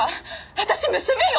私娘よ！！